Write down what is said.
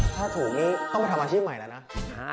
ถ้าถูกนี่ต้องไปทำอาชีพใหม่แล้วนะ